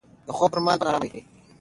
د خوب پر مهال باید خونه ارامه وي.